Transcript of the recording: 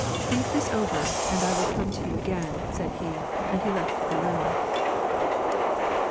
Think this over, and I will come to you again," said he, and he left the room.